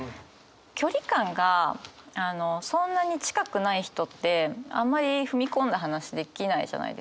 距離感がそんなに近くない人ってあんまり踏み込んだ話できないじゃないですか。